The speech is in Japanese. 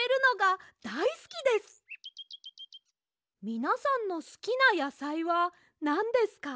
みなさんのすきなやさいはなんですか？